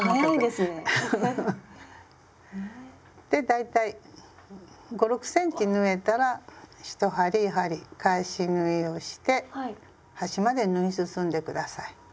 で大体５６ｃｍ縫えたら１針やはり返し縫いをして端まで縫い進んでください。